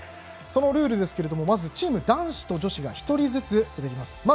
そのルールですけれどもまず、チームは男子と女子が１人ずつ滑ります。